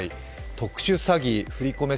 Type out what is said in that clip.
特殊詐欺、振り込め